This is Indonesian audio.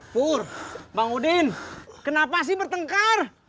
pur bang udin kenapa sih bertengkar